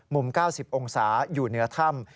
๙๐องศาอยู่เหนือถ้ำ